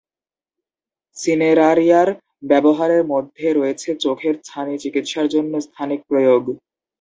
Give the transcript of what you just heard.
"সিনেরারিয়া"র ব্যবহারের মধ্যে রয়েছে চোখের ছানি চিকিৎসার জন্য স্থানিক প্রয়োগ।